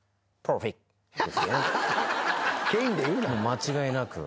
間違いなく。